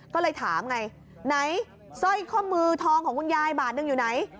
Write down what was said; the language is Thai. ก็เลยถามไงไหนสร้อยข้อมือทองของคุณยายบาทหนึ่งอยู่ไหน